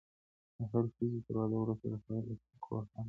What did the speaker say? د هري ښځي تر واده وروسته د هغې اصلي کور هغه دی.